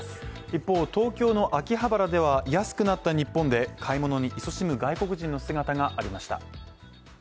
一方東京の秋葉原では安くなった日本で買い物に勤しむ外国人の姿がありました。